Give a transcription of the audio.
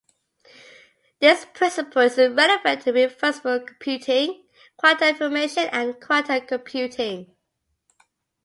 This principle is relevant to reversible computing, quantum information and quantum computing.